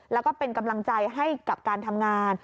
แล้วก็เป็นกำลังใจให้กับการทำงาน